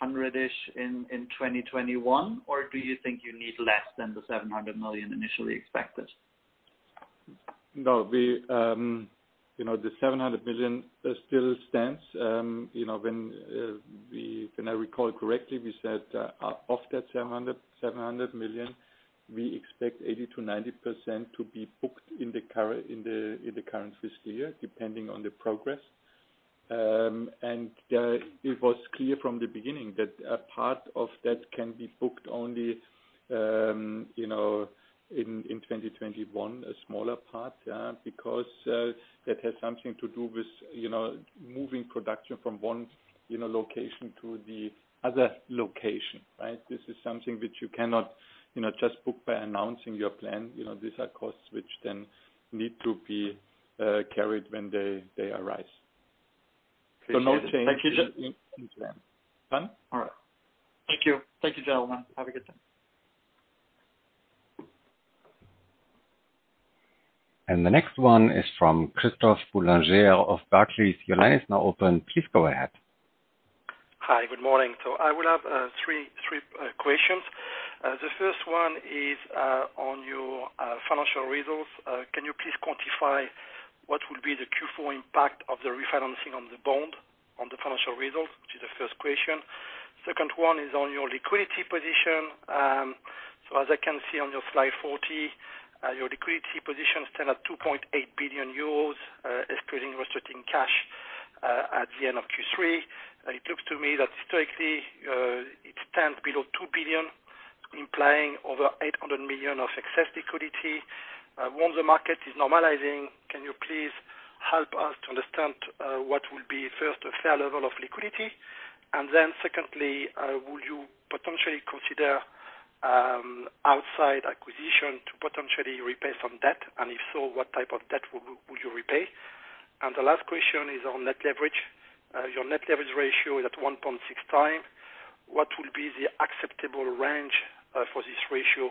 100 million-ish in 2021, do you think you need less than the 700 million initially expected? No, the 700 million still stands. If I recall correctly, we said of that 700 million, we expect 80%-90% to be booked in the current fiscal year, depending on the progress. It was clear from the beginning that a part of that can be booked only in 2021, a smaller part, because that has something to do with moving production from one location to the other location, right? This is something which you cannot just book by announcing your plan. These are costs which then need to be carried when they arise. Appreciate it. No change in plan. Done? All right. Thank you. Thank you, gentlemen. Have a good day. The next one is from Christophe Boulanger of Barclays. Your line is now open. Please go ahead. Hi, good morning. I will have three questions. The first one is on your financial results. Can you please quantify what will be the Q4 impact of the refinancing on the bond on the financial results? Which is the first question. Second one is on your liquidity position. As I can see on your slide 40, your liquidity position stand at 2.8 billion euros excluding restricting cash at the end of Q3. It looks to me that historically, it stands below 2 billion, implying over 800 million of excess liquidity. Once the market is normalizing, can you please help us to understand what will be first a fair level of liquidity? Then secondly, would you potentially consider outside acquisition to potentially repay some debt? If so, what type of debt would you repay? The last question is on net leverage. Your net leverage ratio is at 1.6x. What will be the acceptable range for this ratio?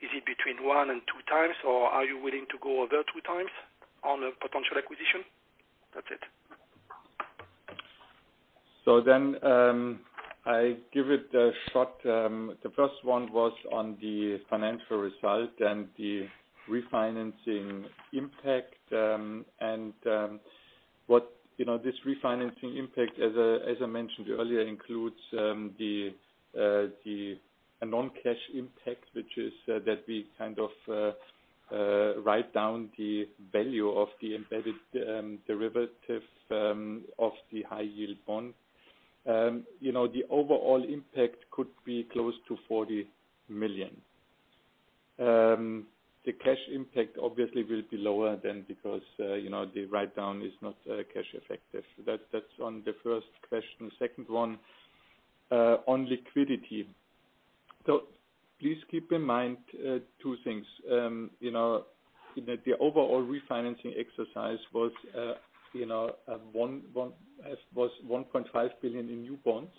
Is it between one and 2x, or are you willing to go over 2x on a potential acquisition? That's it. I give it a shot. The first one was on the financial result and the refinancing impact. This refinancing impact, as I mentioned earlier, includes the non-cash impact, which is that we kind of write down the value of the embedded derivative of the high-yield bond. The overall impact could be close to 40 million. The cash impact obviously will be lower then because the write-down is not cash effective. That's on the first question. Second one, on liquidity. Please keep in mind two things. The overall refinancing exercise was 1.5 billion in new bonds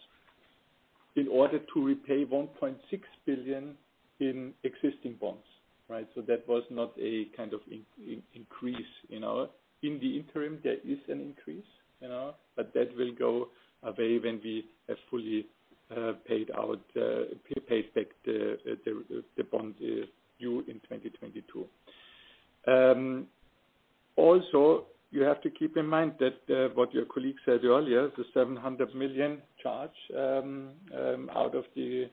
in order to repay 1.6 billion in existing bonds, right? That was not a kind of increase. In the interim, there is an increase, but that will go away when we have fully paid back the bond due in 2022. You have to keep in mind that what your colleague said earlier, the 700 million charge out of the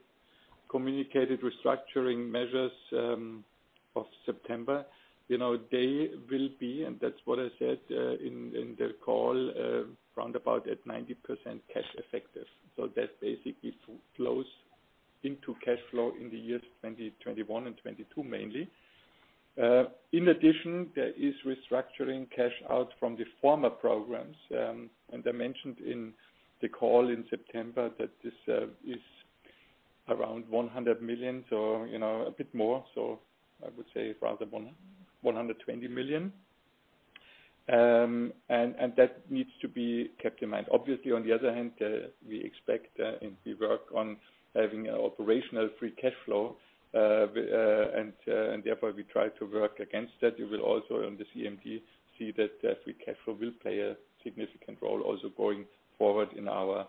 communicated restructuring measures of September, they will be, and that's what I said in the call, roundabout at 90% cash effective. That basically flows into cash flow in the years 2021 and 2022 mainly. In addition, there is restructuring cash out from the former programs, and I mentioned in the call in September that this is around 100 million, so a bit more, so I would say rather 120 million. That needs to be kept in mind. Obviously, on the other hand, we expect and we work on having an operational free cash flow, and therefore we try to work against that. You will also on the CMD see that free cash flow will play a significant role also going forward in our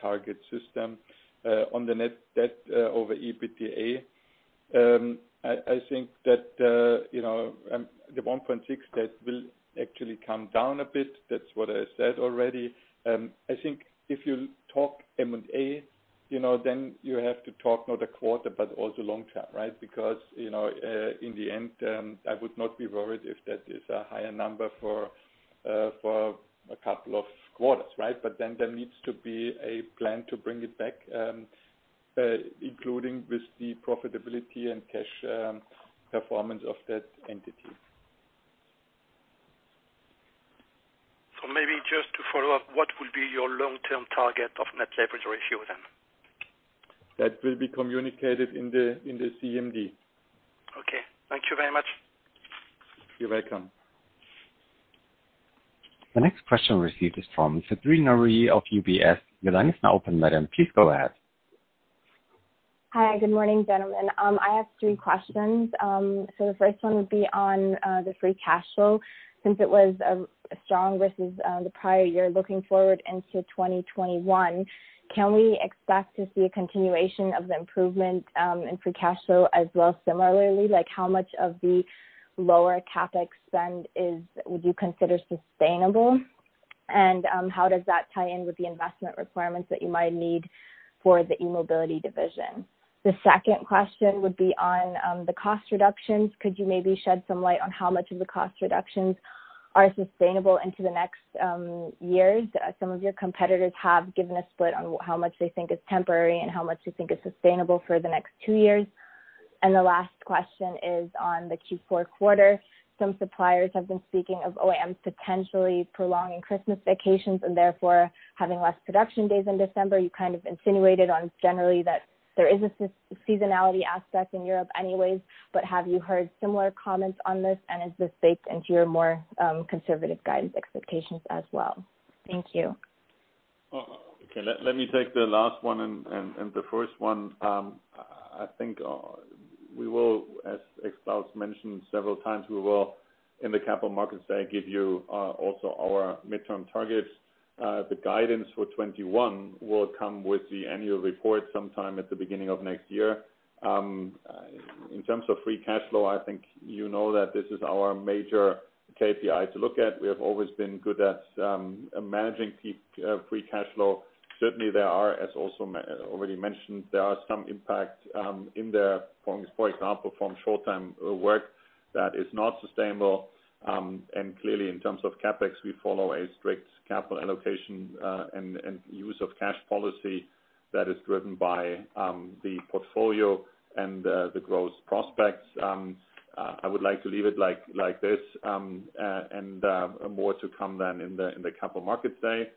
target system. On the net debt to EBITDA, I think that the 1.6 debt will actually come down a bit. That's what I said already. I think if you talk M&A, then you have to talk not a quarter but also long term, right? In the end, I would not be worried if that is a higher number for a couple of quarters, right? Then there needs to be a plan to bring it back, including with the profitability and cash performance of that entity. Maybe just to follow up, what will be your long-term target of net leverage ratio then? That will be communicated in the CMD. Okay. Thank you very much. You're welcome. The next question received is from Catrine Laurie of UBS. Your line is now open, madam, please go ahead. Hi, good morning, gentlemen. I have three questions. The first one would be on the free cash flow since it was strong versus the prior year looking forward into 2021. Can we expect to see a continuation of the improvement in free cash flow as well similarly? How much of the lower CapEx spend would you consider sustainable? How does that tie in with the investment requirements that you might need for the e-mobility division? The second question would be on the cost reductions. Could you maybe shed some light on how much of the cost reductions are sustainable into the next years? Some of your competitors have given a split on how much they think is temporary and how much they think is sustainable for the next two years. The last question is on the Q4 quarter. Some suppliers have been speaking of OEMs potentially prolonging Christmas vacations and therefore having less production days in December. You kind of insinuated on generally that there is a seasonality aspect in Europe anyways, but have you heard similar comments on this, and is this baked into your more conservative guidance expectations as well? Thank you. Okay. Let me take the last one and the first one. I think as Klaus mentioned several times, we will, in the Capital Markets Day, give you also our midterm targets. The guidance for 2021 will come with the annual report sometime at the beginning of next year. In terms of free cash flow, I think you know that this is our major KPI to look at. We have always been good at managing free cash flow. Certainly, there are, as also already mentioned, there are some impacts in there, for example, from short-time work that is not sustainable. Clearly, in terms of CapEx, we follow a strict capital allocation and use of cash policy that is driven by the portfolio and the growth prospects. I would like to leave it like this, and more to come then in the Capital Markets Day.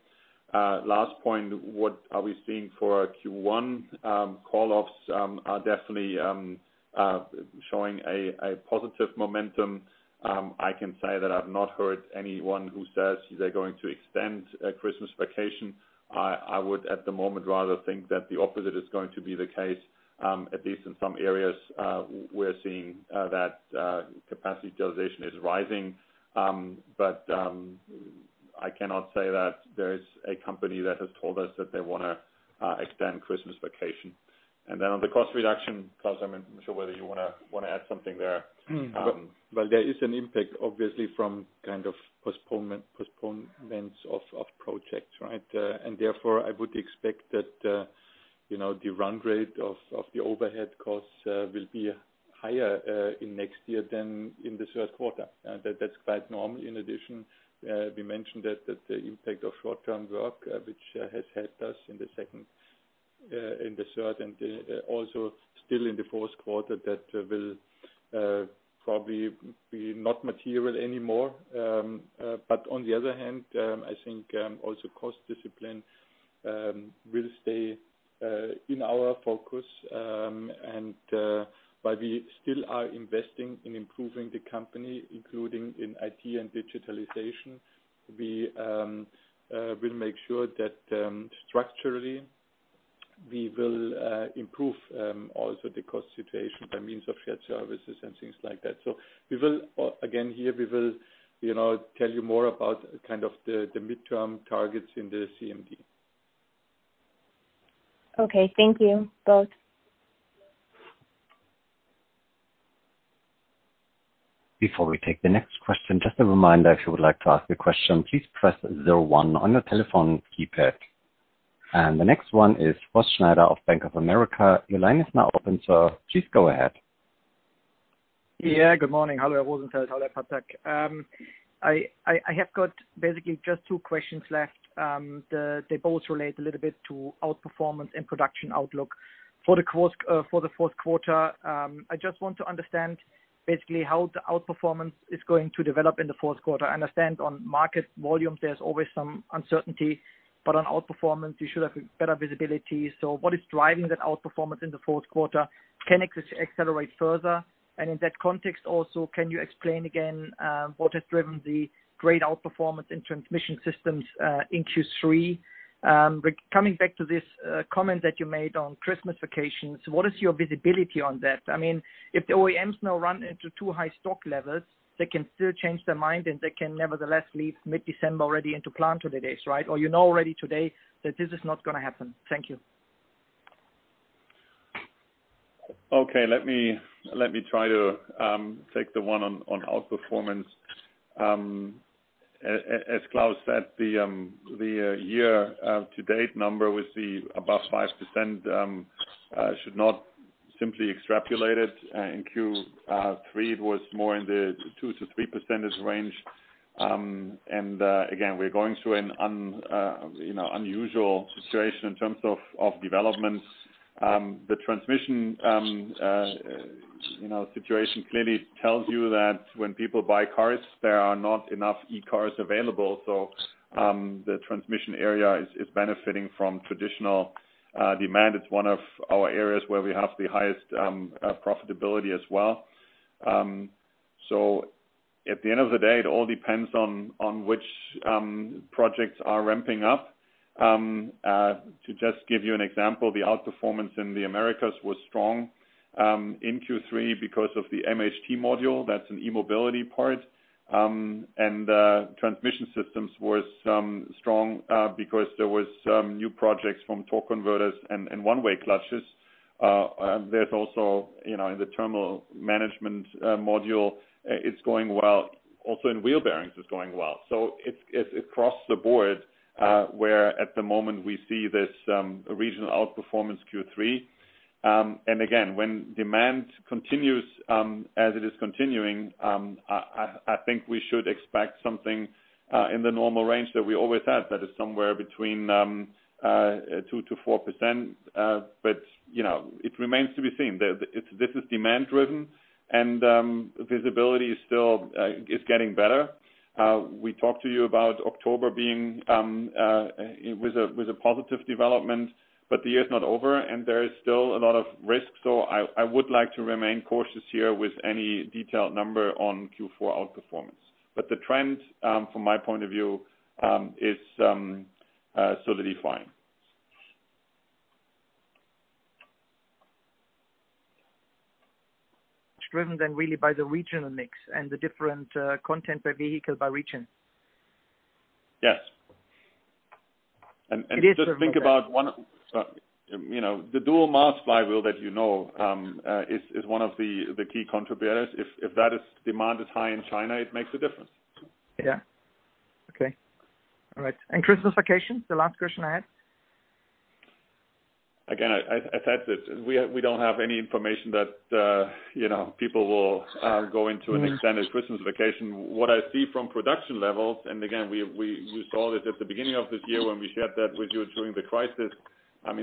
Last point, what are we seeing for our Q1 call-offs are definitely showing a positive momentum. I can say that I've not heard anyone who says they're going to extend Christmas vacation. I would, at the moment, rather think that the opposite is going to be the case. At least in some areas, we're seeing that capacity utilization is rising. I cannot say that there is a company that has told us that they want to extend Christmas vacation. Then on the cost reduction, Klaus, I'm not sure whether you want to add something there. Well, there is an impact, obviously, from kind of postponements of projects, right? Therefore, I would expect that the run rate of the overhead costs will be higher in next year than in the third quarter. That's quite normal. In addition, we mentioned that the impact of short-time work, which has helped us in the second, in the third, and also still in the fourth quarter, that will. Probably not material anymore. On the other hand, I think also cost discipline will stay in our focus. While we still are investing in improving the company, including in IT and digitalization, we will make sure that structurally we will improve also the cost situation by means of shared services and things like that. Again, here, we will tell you more about the midterm targets in the CMD. Okay. Thank you both. Before we take the next question, just a reminder, if you would like to ask a question, please press zero one on your telephone keypad. The next one is Horst Schneider of Bank of America. Your line is now open, sir. Please go ahead. Good morning. Hello, Rosenfeld. Hello, Patzak. I have got basically just two questions left. They both relate a little bit to outperformance and production outlook. For the fourth quarter, I just want to understand basically how the outperformance is going to develop in the fourth quarter. I understand on market volume, there is always some uncertainty, but on outperformance, you should have better visibility. What is driving that outperformance in the fourth quarter? Can it accelerate further? In that context also, can you explain again what has driven the great outperformance in transmission systems in Q3? Coming back to this comment that you made on Christmas vacations, what is your visibility on that? If the OEMs now run into too high stock levels, they can still change their mind and they can nevertheless leave mid-December already into plant holidays, right? You know already today that this is not going to happen. Thank you. Okay. Let me try to take the one on outperformance. As Klaus said, the year-to-date number we see above 5% should not simply extrapolate it. In Q3, it was more in the 2%-3% range. Again, we're going through an unusual situation in terms of development. The transmission situation clearly tells you that when people buy cars, there are not enough e-cars available. The transmission area is benefiting from traditional demand. It's one of our areas where we have the highest profitability as well. At the end of the day, it all depends on which projects are ramping up. To just give you an example, the outperformance in the Americas was strong in Q3 because of the MHT module, that's an e-mobility part. Transmission systems was strong because there was some new projects from torque converters and one-way clutches. There is also in the thermal management module, it is going well, also in wheel bearings it is going well. It is across the board, where at the moment we see this regional outperformance Q3. Again, when demand continues as it is continuing, I think we should expect something in the normal range that we always had, that is somewhere between 2%-4%. It remains to be seen. This is demand-driven and visibility is getting better. We talked to you about October with a positive development, but the year is not over and there is still a lot of risk. I would like to remain cautious here with any detailed number on Q4 outperformance. The trend from my point of view is solidifying. Driven then really by the regional mix and the different content per vehicle by region. Yes. It is driven by that. Just think about the dual mass flywheel that you know, is one of the key contributors. If that demand is high in China, it makes a difference. Yeah. Okay. All right. Christmas vacation, the last question I had. Again, I said that we don't have any information that people will go into an extended Christmas vacation. What I see from production levels, again, we saw this at the beginning of this year when we shared that with you during the crisis.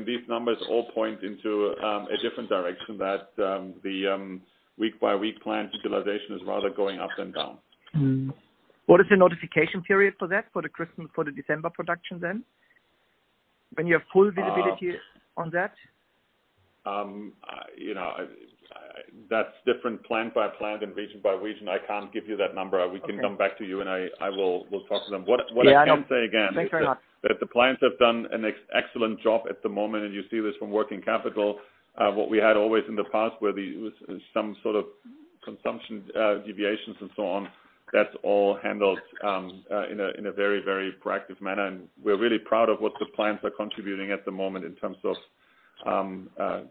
These numbers all point into a different direction that the week-by-week plant utilization is rather going up than down. What is the notification period for that? For the December production then? When you have full visibility on that? That's different plant by plant and region by region. I can't give you that number. Okay. We can come back to you and I will talk to them. Yeah. What I can say again. Thanks very much. That the plants have done an excellent job at the moment, and you see this from working capital. What we had always in the past, where there was some sort of consumption deviations and so on, that's all handled in a very proactive manner, and we're really proud of what the plants are contributing at the moment in terms of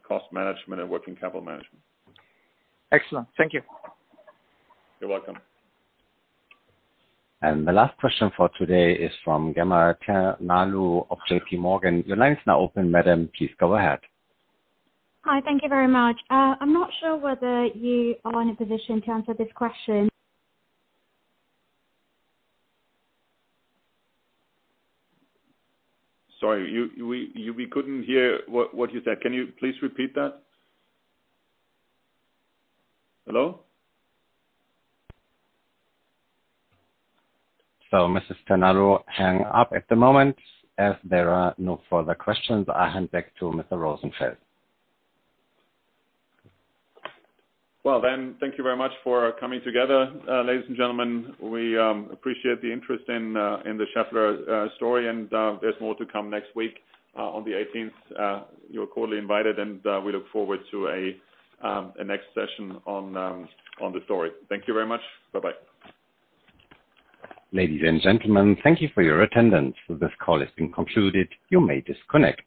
cost management and working capital management. Excellent. Thank you. You're welcome. The last question for today is from Gamal Tenaro of JPMorgan. Your line is now open, madam. Please go ahead. Hi. Thank you very much. I'm not sure whether you are in a position to answer this question. Sorry. We couldn't hear what you said. Can you please repeat that? Hello? Mrs. Tenaro hang up at the moment. As there are no further questions, I hand back to Mr. Rosenfeld. Well, thank you very much for coming together, ladies and gentlemen. We appreciate the interest in the Schaeffler story, there's more to come next week on the 18th. You're cordially invited, we look forward to a next session on the story. Thank you very much. Bye-bye. Ladies and gentlemen, thank you for your attendance. This call has been concluded. You may disconnect.